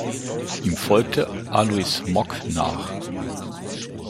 Ihm folgte Alois Mock nach.